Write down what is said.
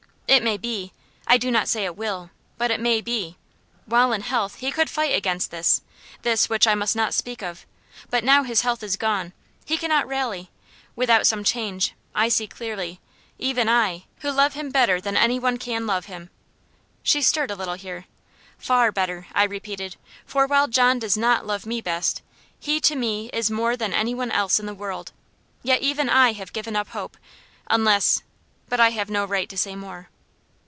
It may be I do not say it will but it may be. While in health he could fight against this this which I must not speak of; but now his health is gone. He cannot rally. Without some change, I see clearly, even I, who love him better than any one can love him " She stirred a little here. "Far better," I repeated; "for while John does NOT love me best, he to me is more than any one else in the world. Yet even I have given up hope, unless But I have no right to say more."